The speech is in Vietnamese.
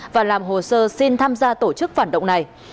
và làm hồ sơ xin tham gia tổ chức phản động này